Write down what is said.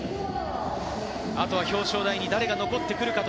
あとは表彰台に誰が残ってくるか。